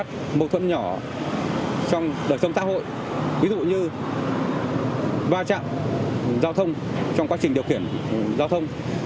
phát mâu thuẫn nhỏ trong đợt sống tá hội ví dụ như va chạm giao thông trong quá trình điều khiển giao thông